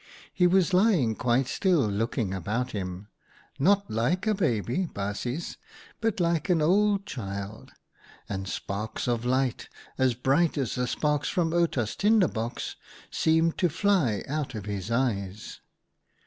He was lying quite still looking about him, not like a baby, baasjes, but like an old child, and sparks of light, as bright as the sparks from Outa's tinderbox, seemed to fly out of his eyes.